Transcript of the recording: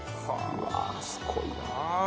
うわすごいな。